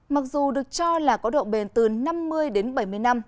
mặc dù được cho là có độ bền từ năm mươi đến bảy mươi năm